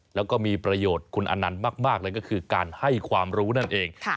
แล้วก็มีประโยชน์คุณอนันต์มากเลยก็คือการให้ความรู้นั่นเอง